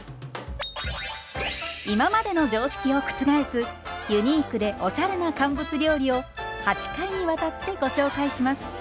今までの常識を覆すユニークでおしゃれな乾物料理を８回にわたってご紹介します。